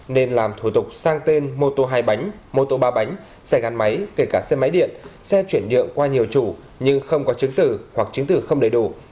nên làm thủ tục sang tên mô tô hai bánh mô tô ba bánh xe gắn máy kể cả xe máy điện xe chuyển nhượng qua nhiều chủ nhưng không có chứng tử hoặc chứng tử không đầy đủ